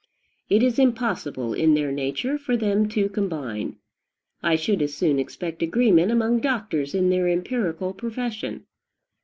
It is impossible, in their nature, for them to combine. I should as soon expect agreement among doctors in their empirical profession.